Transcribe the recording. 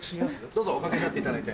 どうぞお掛けになって。